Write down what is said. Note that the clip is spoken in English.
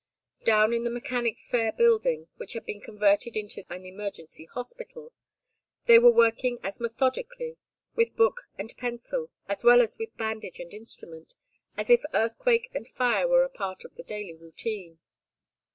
Down in the Mechanics' Fair Building, which had been converted into an emergency hospital, they were working as methodically, with book and pencil, as well as with bandage and instrument, as if earthquake and fire were a part of the daily routine.